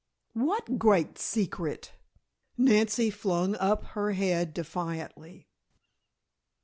"What Great Secret?" Nancy flung up her head defiantly.